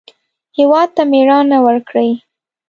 هېواد ته مېړانه ورکړئ